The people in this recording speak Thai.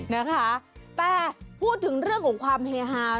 นะคะแต่พูดถึงเรื่องของความเฮฮา